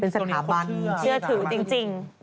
สถาบันเชื่อถือจริง